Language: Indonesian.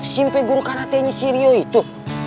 simpe guru karate nya si rio itu